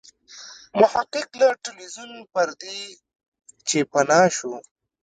محقق له ټلویزیون پردې چې پناه شو.